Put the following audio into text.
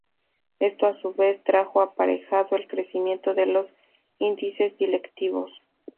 Esto a su vez trajo aparejado el crecimiento de los índices delictivos.